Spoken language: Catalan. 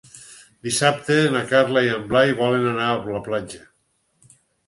Dissabte na Carla i en Blai volen anar a la platja.